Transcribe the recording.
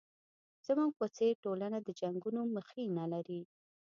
زموږ په څېر ټولنه د جنګونو مخینه لري.